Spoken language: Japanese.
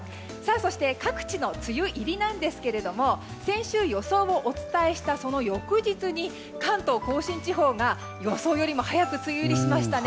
そして各地の梅雨入りなんですけども先週、予想をお伝えしたその翌日に関東・甲信地方が予想よりも早く梅雨入りしました。